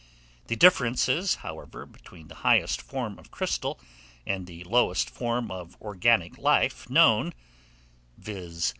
The differences, however, between the highest form of crystal and the lowest form of organic life known, viz.